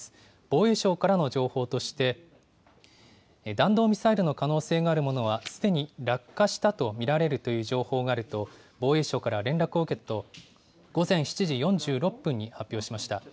防衛省からの情報として、弾道ミサイルの可能性があるものはすでに落下したと見られるという情報があると、防衛省から連絡を受けたと午前７時４６分に発表しました。